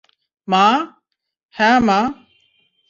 মা, -হ্যাঁ, মা?